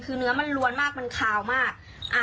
คือเนื้อมันรวนมากคาวมาก